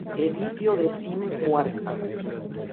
Editio decima quarta".